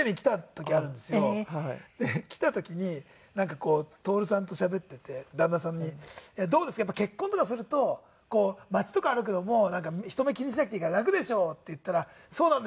で来た時になんかこう達さんとしゃべっていて旦那さんに「どうですか？やっぱり結婚とかすると街とか歩くのも人目気にしなくていいから楽でしょ？」って言ったら「そうなんですよ」。